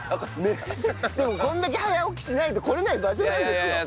でもこれだけ早起きしないと来れない場所なんですよ。